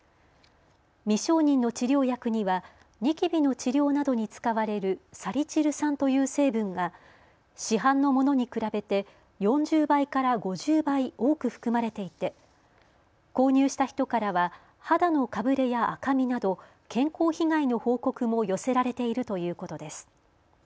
未承認の治療薬にはニキビの治療などに使われるサリチル酸という成分が市販のものに比べて４０倍から５０倍多く含まれていて購入した人からは肌のかぶれや赤みなど健康被害の報告も寄せられているということです。